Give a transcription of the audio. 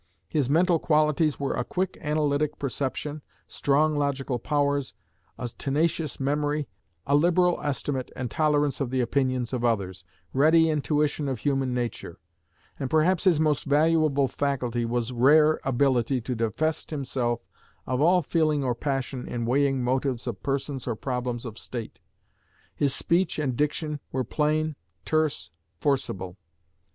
His mental qualities were a quick analytic perception, strong logical powers, a tenacious memory, a liberal estimate and tolerance of the opinions of others, ready intuition of human nature; and perhaps his most valuable faculty was rare ability to divest himself of all feeling or passion in weighing motives of persons or problems of state. His speech and diction were plain, terse, forcible.